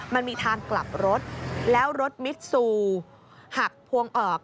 มันมีทางกลับรถแล้วรถมิดซูหักพวงออก